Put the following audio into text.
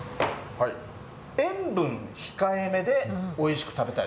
塩分控えめでおいしく食べたい。